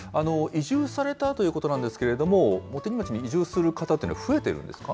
移住されたということなんですけれども、茂木町に移住する方っていうのは増えてるんですか。